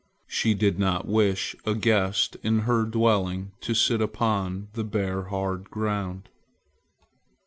She did not wish a guest in her dwelling to sit upon the bare hard ground.